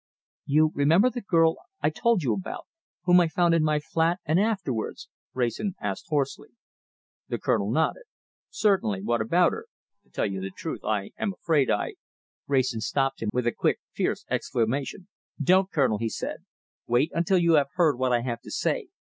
"You remember the girl I told you about, whom I found in my flat, and afterwards?" Wrayson asked hoarsely. The Colonel nodded. "Certainly! What about her? To tell you the truth, I am afraid I " Wrayson stopped him with a quick, fierce exclamation. "Don't, Colonel!" he said. "Wait until you have heard what I have to say.